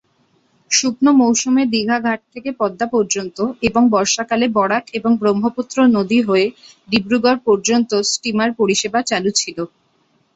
শুকনো মৌসুমে দীঘা ঘাট থেকে পদ্মা পর্যন্ত এবং বর্ষাকালে বরাক এবং ব্রহ্মপুত্র নদী হয়ে ডিব্রুগড় পর্যন্ত স্টিমার পরিষেবা চালু ছিল।